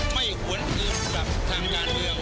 ไม่หวนอื่นกับทางงานเดียว